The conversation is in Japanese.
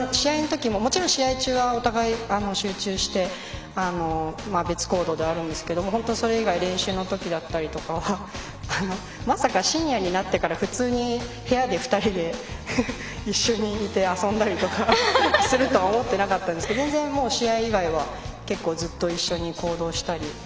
もちろん試合中は、お互い集中して別行動ではあるんですけどそれ以外、練習の時だったりとかまさか深夜になってから普通に部屋で２人で一緒にいて遊んだりとかするとは思ってなかったんですけど全然、試合以外は結構ずっと一緒に行動したり。